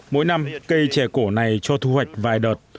mỗi năm cây trẻ cổ này cho thu hoạch vài đợt